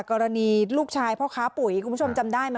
กรณีลูกชายพ่อค้าปุ๋ยคุณผู้ชมจำได้ไหม